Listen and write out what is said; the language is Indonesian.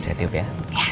bisa tiup ya